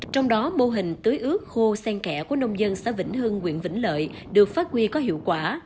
trong đó mô hình tưới ướp khô sen kẽ của nông dân xã vĩnh hưng quyện vĩnh lợi được phát huy có hiệu quả